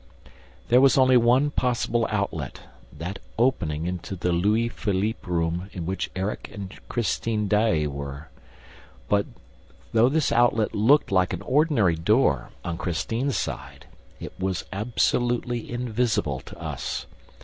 There was only one possible outlet, that opening into the Louis Philippe room in which Erik and Christine Daae were. But, though this outlet looked like an ordinary door on Christine's side, it was absolutely invisible to us.